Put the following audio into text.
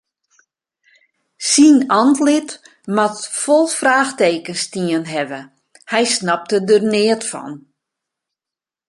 Syn antlit moat fol fraachtekens stien hawwe, hy snapte der neat fan.